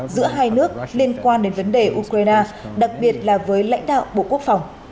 giữa hai nước liên quan đến vấn đề ukraine đặc biệt là với lãnh đạo bộ quốc phòng